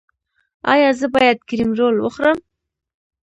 ایا زه باید کریم رول وخورم؟